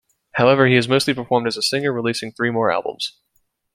However, he has mostly performed as a singer, releasing three more albums.